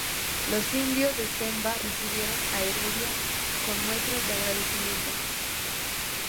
Los indios de Zamba recibieron a Heredia con muestras de agradecimiento.